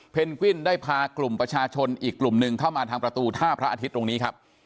วิ่นได้พากลุ่มประชาชนอีกกลุ่มหนึ่งเข้ามาทางประตูท่าพระอาทิตย์ตรงนี้ครับ